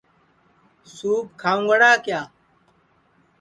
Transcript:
سُوپ کھاؤنگڑا کِیا